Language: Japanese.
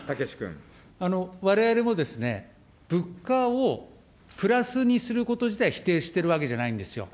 われわれもですね、物価をプラスにすること自体、否定しているわけじゃないんですよ。